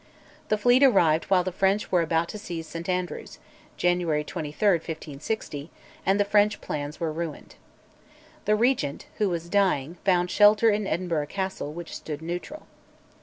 The fleet arrived while the French were about to seize St Andrews (January 23, 1560), and the French plans were ruined. The Regent, who was dying, found shelter in Edinburgh Castle, which stood neutral.